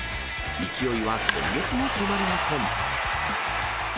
勢いは今月も止まりません。